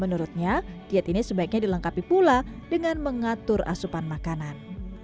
menurutnya diet ini sebaiknya dilengkapi pula dengan mengatur asupan makanan